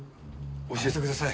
教えてください。